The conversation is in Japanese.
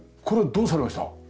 これはどうされました？